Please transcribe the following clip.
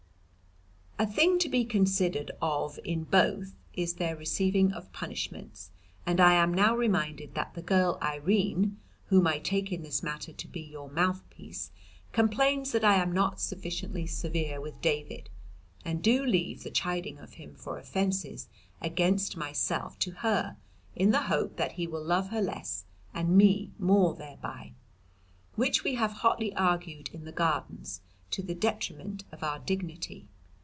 "A thing to be considered of in both is their receiving of punishments, and I am now reminded that the girl Irene (whom I take in this matter to be your mouthpiece) complains that I am not sufficiently severe with David, and do leave the chiding of him for offences against myself to her in the hope that he will love her less and me more thereby. Which we have hotly argued in the Gardens to the detriment of our dignity.